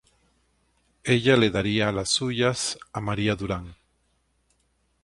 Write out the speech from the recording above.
Ella le daría las suyas a María Durán.